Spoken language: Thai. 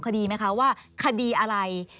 คดีไหมคะว่าคดีอะไร